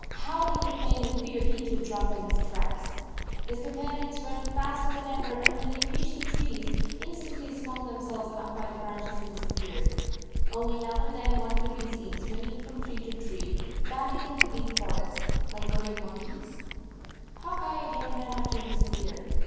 Howl ing with pain and fear, he too dropped in his tracks. His companions ran faster than ever, and when they reached the trees, in stantly swung themselves up by the branches and disappeared. Only now and then one could be seen swinging from tree to tree, back into the deep forest, like great mon 95 I keys. Hawk Eye again ran after his spear.